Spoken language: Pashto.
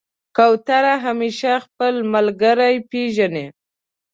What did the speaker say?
کوتره همیشه خپل ملګری پېژني.